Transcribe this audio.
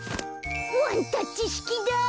ワンタッチしきだ！